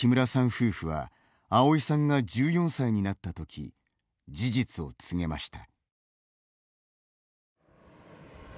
夫婦はアオイさんが１４歳になったとき事実を告げました。